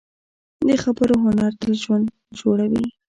د خبرو هنر تل ژوند جوړوي